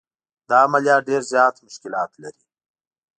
دا عملیات ډېر زیات مشکلات لري.